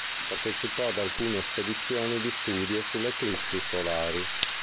Partecipò ad alcune spedizioni di studio sulle eclissi solari.